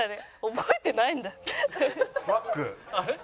覚えてないんだ。